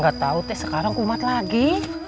ga tau teh sekarang kumat lagi